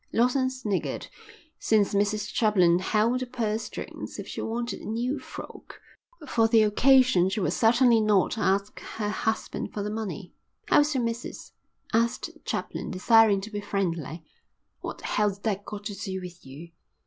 Lawson sniggered. Since Mrs Chaplin held the purse strings if she wanted a new frock for the occasion she would certainly not ask her husband for the money. "How is your missus?" asked Chaplin, desiring to be friendly. "What the hell's that got to do with you?"